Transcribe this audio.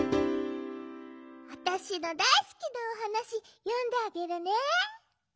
わたしのだいすきなおはなしよんであげるね！